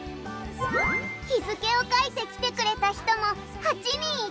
日付を書いて来てくれた人も８人いたよ